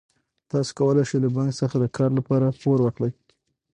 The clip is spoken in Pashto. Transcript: تاسو کولای شئ له بانک څخه د کار لپاره پور واخلئ.